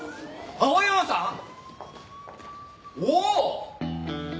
青山さんが！？